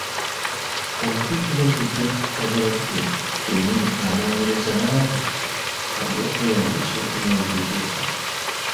Omutwe guba gujja kutabula ggwe kennyini onoonyereza n’abo abookweyambisa okunoonyereza okwo.